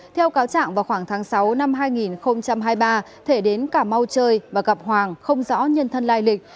theo cáo trạng vào khoảng tháng sáu năm hai nghìn hai mươi ba thể đến cảm mau chơi và gặp hoàng không rõ nhân thân lai lịch